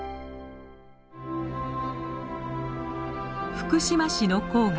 福島市の郊外。